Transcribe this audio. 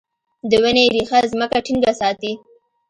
د ونې ریښه ځمکه ټینګه ساتي.